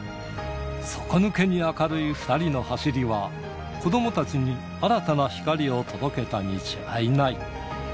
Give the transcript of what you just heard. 底抜けに明るい２人の走りは、子どもたちに新たな光を届けたに違いない。